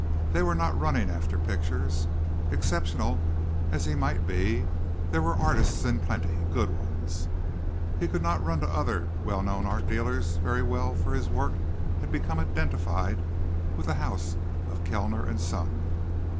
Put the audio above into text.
They were not running after pictures. Exceptional as he might be, there were artists in plenty good ones. He could not run to other well known art dealers very well for his work had become identified with the house of Kellner and Son.